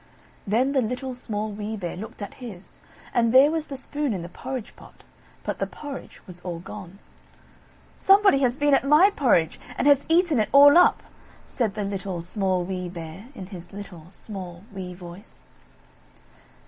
Then the Little, Small, Wee Bear looked at his, and there was the spoon in the porridge pot, but the porridge was all gone. "Somebody has been at my porridge, and has eaten it all up!" said the Little, Small, Wee Bear, in his little, small, wee voice.